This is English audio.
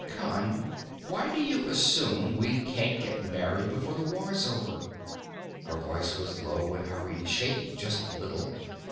"Con, why do we assume we can't get married before the war's over?" Her voice was low and hurried, shaking just a little.